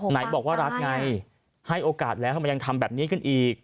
ไหนบอกว่ารักให้โอกาสและทำแบบนี้กันอีก